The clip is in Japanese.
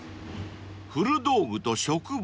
［古道具と植物。